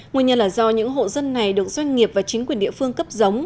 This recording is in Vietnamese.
nguyên nhân là do những hộ dân này được doanh nghiệp và chính quyền địa phương cấp giống